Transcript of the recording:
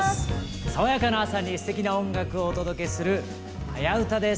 爽やかな朝にすてきな音楽をお届けする「はやウタ」です。